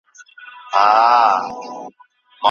په افغانستان کي د وګړو اساسي حقونه تر بحث لاندي نیول کیږي.